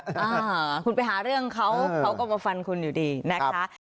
อ่าคุณไปหาเรื่องเขาเขาก็มาฟันคุณอยู่ดีนะคะ